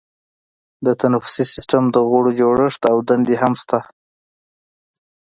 د تنفسي سیستم د غړو جوړښت او دندې شته.